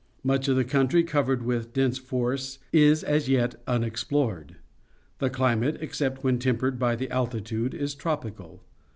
Much of the country, covered with dense forests, is as yet unex plored. The cUmate, except when tempered by the altitude, is tropical.